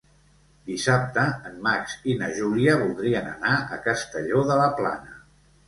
Dissabte en Max i na Júlia voldrien anar a Castelló de la Plana.